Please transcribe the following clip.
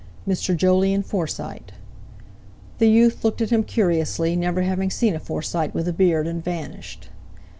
"Mr. Jolyon Forsyte." The youth looked at him curiously, never having seen a Forsyte with a beard, and vanished.